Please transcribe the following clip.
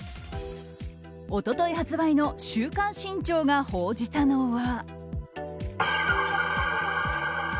一昨日発売の「週刊新潮」が報じたのは。